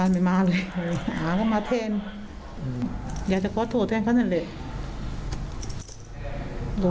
มีความโกรธแทนกันมั้ย